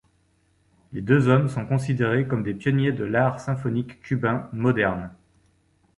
Les deux hommes sont considérés comme des pionniers de l'art symphonique cubain moderne.